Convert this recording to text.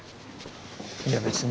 いや別に。